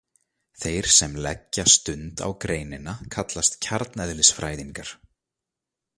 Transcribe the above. Þeir sem leggja stund á greinina kallast kjarneðlisfræðingar.